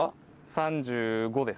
３５です。